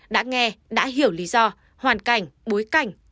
đã nghe đã hiểu lý do hoàn cảnh bối cảnh